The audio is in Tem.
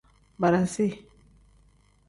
Barasi.